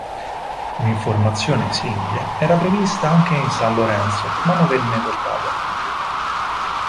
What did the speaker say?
Un'uniformazione simile era prevista anche in San Lorenzo, ma non venne portato a compimento.